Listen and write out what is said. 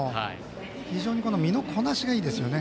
非常に身のこなしがいいですね。